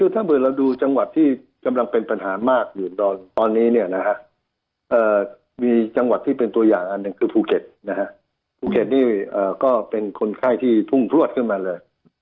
ถ้าเผื่อเราดูจังหวัดที่กำลังเป็นปัญหามากอยู่ตอนนี้เนี่ยนะฮะมีจังหวัดที่เป็นตัวอย่างอันหนึ่งคือภูเก็ตนะฮะภูเก็ตภูเก็ตนี่ก็เป็นคนไข้ที่พุ่งพลวดขึ้นมาเลย